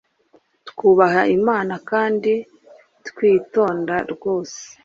twubaha Imana kandi twitonda rwose.